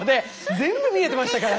全部見えてましたから。